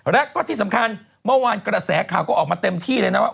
และก็ที่สำคัญเมื่อวานกระแสข่าวก็ออกมาเต็มที่เลยนะว่า